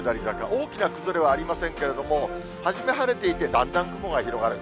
大きな崩れはありませんけれども、初め晴れていて、だんだん雲が広がる。